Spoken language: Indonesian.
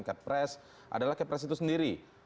capres adalah capres itu sendiri